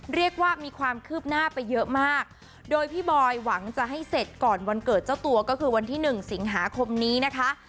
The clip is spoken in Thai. เรียกว่ามีความคืบหน้าไปเยอะมากโดยพี่บอยหวังจะให้เสร็จก่อนวันเกิดเจ้าตัวก็คือวันที่หนึ่งสิงหาคมนี้นะคะ